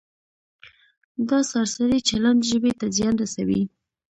دا سرسري چلند ژبې ته زیان رسوي.